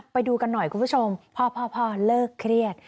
ไปดูกันหน่อยคุณผู้ชมพ่อเลิกเครียด